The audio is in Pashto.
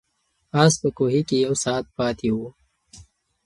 آس په کوهي کې یو ساعت پاتې و.